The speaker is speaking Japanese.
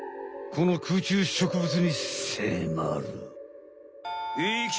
この空中植物にせまる！